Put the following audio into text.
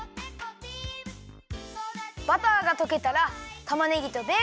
バターがとけたらたまねぎとベーコンをいれて。